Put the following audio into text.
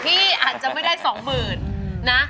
พี่อาจจะไม่ได้สองหมื่นนะ